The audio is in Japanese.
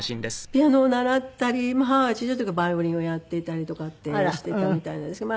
ピアノを習ったりも母は小さい時はバイオリンをやっていたりとかってしていたみたいなんですけど。